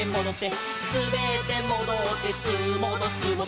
「すべってもどってすーもどすーもど」